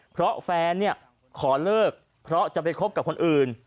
เพราะแฟนขอเลิกเพราะจะไปคบกับคนอื่น